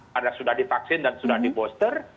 karena sudah divaksin dan sudah di booster